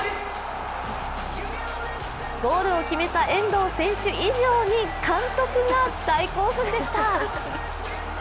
ゴールを決めた遠藤選手以上に監督が大興奮でした。